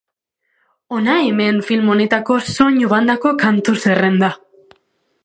Hona hemen film honetako soinu bandako kantu zerrenda.